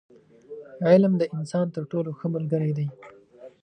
• علم، د انسان تر ټولو ښه ملګری دی.